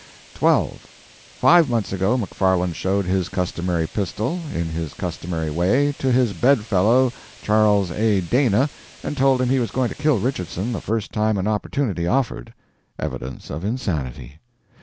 "12. Five months ago, McFarland showed his customary pistol, in his customary way, to his bed fellow, Charles A. Dana, and told him he was going to kill Richardson the first time an opportunity offered. Evidence of insanity.